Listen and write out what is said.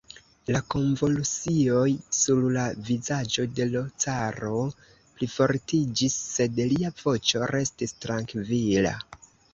La konvulsioj sur la vizaĝo de l' caro plifortiĝis, sed lia voĉo restis trankvila.